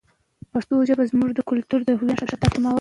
پښتو ژبه زموږ د کلتوري هویت نښه ده.